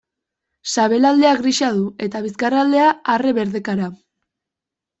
Sabelaldea grisa du eta bizkarraldea arre-berdekara.